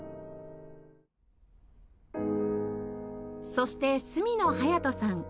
そして角野隼斗さん